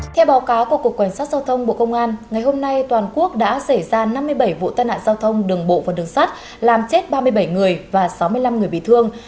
theo báo cáo của cục cảnh sát giao thông bộ công an ngày hôm nay toàn quốc đã xảy ra năm mươi bảy vụ tai nạn giao thông đường bộ và đường sắt làm chết ba mươi bảy người và sáu mươi năm người bị thương